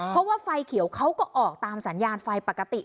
เพราะว่าไฟเขียวเขาก็ออกตามสัญญาณไฟปกติ